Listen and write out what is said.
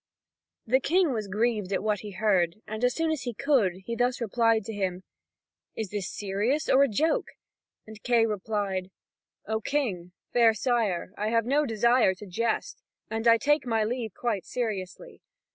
The King was grieved at what he heard, and as soon as he could, he thus replied to him: "Is this serious, or a joke?" And Kay replied: "O King, fair sire, I have no desire to jest, and I take my leave quite seriously.